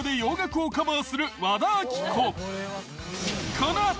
このあと。